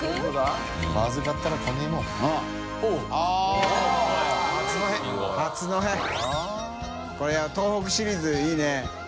諭海東北シリーズいいね。